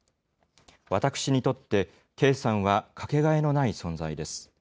私にとって、圭さんは掛けがえのない存在です。